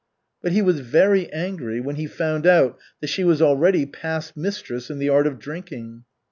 But he was very angry when he found out that she was already past mistress in the art of drinking.